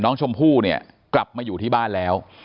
น้องชมพู่เนี่ยกลับมาอยู่ที่บ้านแล้ว